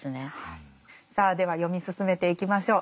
さあでは読み進めていきましょう。